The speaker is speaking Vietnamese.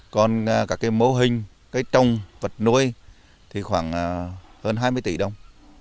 còn các mô hình trông vật nuôi thì khoảng hơn hai mươi tỷ đồng